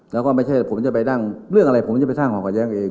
แล้วก็ไม่ใช่ผมจะไปนั่งเรื่องอะไรผมจะไปสร้างความขัดแย้งเอง